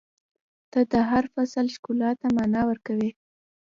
• ته د هر فصل ښکلا ته معنا ورکوې.